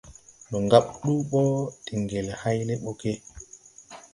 Ndo ŋgab ɗuu mbo de ŋgel háyle mbo ge ?